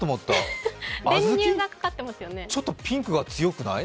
ちょっとピンクが強くない？